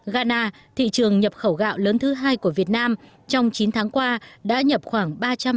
ghana thị trường nhập khẩu gạo lớn thứ hai của việt nam trong chín tháng qua đã nhập khoảng